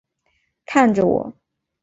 看着我